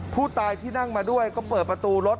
ผู้ตายที่นั่งมาด้วยก็เปิดประตูรถ